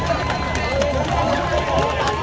เฮียเฮียเฮีย